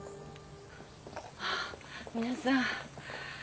ああ皆さん。